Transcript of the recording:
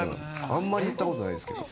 あんまり言ったことないんですけど。